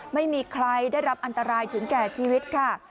ไม่มีใครได้รับอันตรายถึงแก่ชีวิตค่ะ